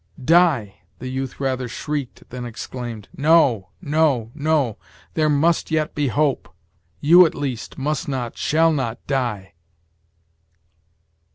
"Die!" the youth rather shrieked than exclaimed, "no no no there must yet be hope you, at least, must not, shall not die."